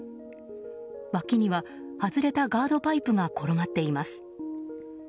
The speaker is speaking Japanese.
脇には外れたガードパイプが転がっています。